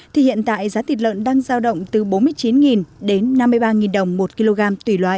thì hiện tại giá thịt lợn đang giao động từ bốn mươi chín đến năm mươi ba đồng một kg tùy loại